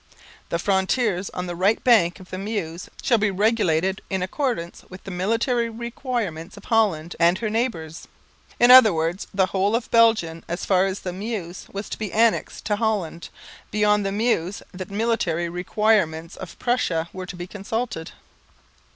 The frontiers on the right bank of the Meuse shall be regulated in accordance with the military requirements of Holland and her neighbours." In other words the whole of Belgium as far as the Meuse was to be annexed to Holland; beyond the Meuse the military requirements of Prussia were to be consulted.